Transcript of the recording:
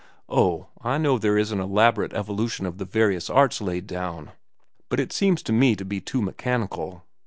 —Oh, I know there is an elaborate evolution of the various arts laid down, but it seems to me to be too mechanical.